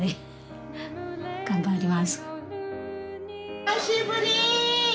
久しぶり！